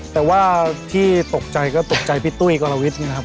แต่ที่ตกใจก็ตกใจพี่ตุ้ยกัลวิทครับ